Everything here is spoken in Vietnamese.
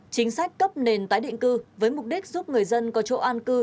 chính sách cấp nền tái định cư với mục đích giúp người dân có chỗ an cư